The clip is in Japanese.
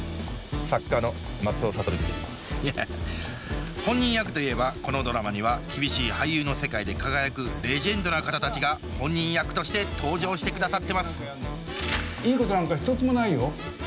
いや本人役といえばこのドラマには厳しい俳優の世界で輝くレジェンドな方たちが本人役として登場してくださってますいいことなんか一つもないよ。